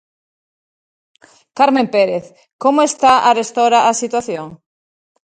Carmen Pérez, como está arestora a situación?